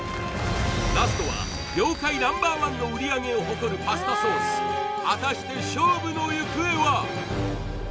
ラストは業界Ｎｏ．１の売上を誇るパスタソース果たして勝負の行方は！？